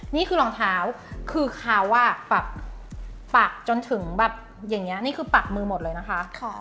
นี่คือรองเท้าคือเขาปักจนถึงแบบอย่างนี้นี่คือปักมือหมดเลยนะคะ